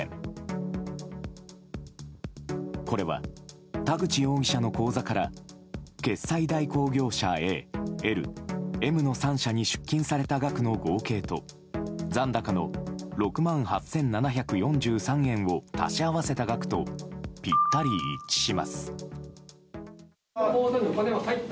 これは田口容疑者の口座から決済代行業者Ａ、Ｌ、Ｍの３社に出金された額の合計と残高の６万８７４３円を足し合わせた額とぴったり一致します。